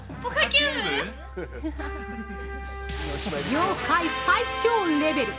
◆業界最長レベル！